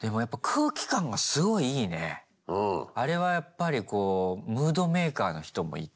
あれはやっぱりこうムードメーカーの人もいて。